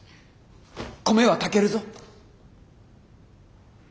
米は炊けるぞ！